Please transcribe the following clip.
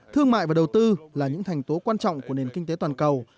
thương mại và đầu tư là những thành tố quan trọng của nền kinh tế toàn cầu